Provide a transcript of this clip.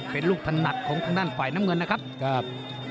เป็นลูกถนัดของทางด้านฝ่ายน้ำเงินนะครับ